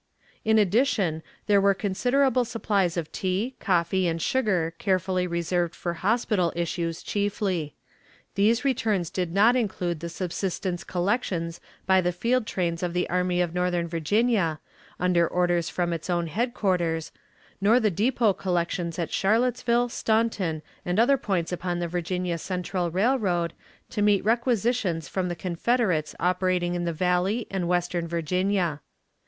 "In addition, there were considerable supplies of tea, coffee, and sugar carefully reserved for hospital issues chiefly. These returns did not include the subsistence collections by the field trains of the Army of Northern Virginia, under orders from its own headquarters, nor the depot collections at Charlottesville, Staunton, and other points upon the Virginia Central Railroad, to meet requisitions from the Confederates operating in the Valley and western Virginia.